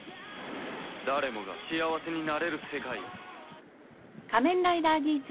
誰もが幸せになれる世界を。